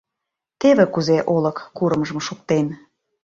Теве кузе олык курымжым шуктен.